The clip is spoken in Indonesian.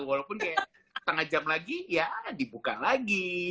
walaupun kayak setengah jam lagi ya dibuka lagi